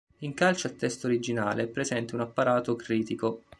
In calce al testo originale è presente un apparato critico.